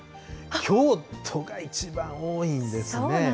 京都が一番多いんですね。